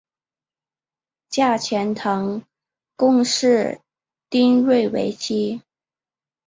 嫁钱塘贡士丁睿为妻。